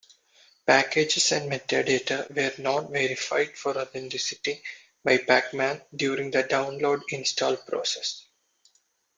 Packages and metadata were not verified for authenticity by pacman during the download-install process.